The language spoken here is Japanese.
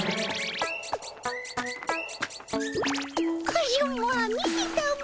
カジュマ見てたも。